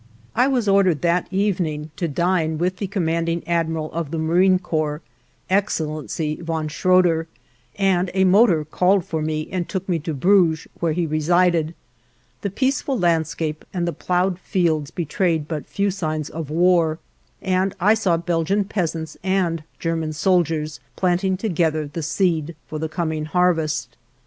I was ordered that evening to dine with the Commanding Admiral of the Marine Corps, Excellency von Schröder, and a motor called for me and took me to Brügge where he resided. The peaceful landscape and the ploughed fields betrayed but few signs of war, and I saw Belgian peasants and German soldiers planting together the seed for the coming harvest.